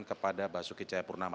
kepada basuki cahayapurnama